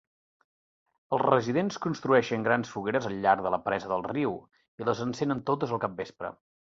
Els residents construeixen grans fogueres al llarg de la presa del riu, i les encenen totes al capvespre.